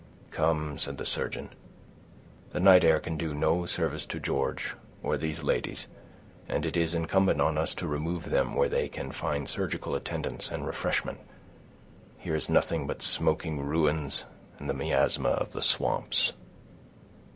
"Come," said the surgeon, "the night air can do no service to George, or these ladies, and it is incumbent on us to remove them where they can find surgical attendance and refreshment. Here is nothing but smoking ruins and the miasma of the swamps."